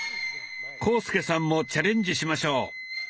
浩介さんもチャレンジしましょう。